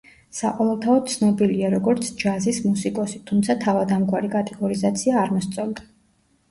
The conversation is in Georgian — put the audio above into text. საყოველთაოდ ცნობილია, როგორც ჯაზის მუსიკოსი, თუმცა თავად ამგვარი კატეგორიზაცია არ მოსწონდა.